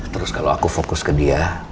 terus kalau aku fokus ke dia